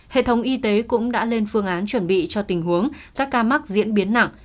hệ thống y tế cũng đã lên phương án chuẩn bị cho tình huống các ca mắc diễn biến nặng